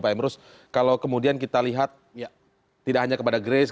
pak emrus kalau kemudian kita lihat tidak hanya kepada grace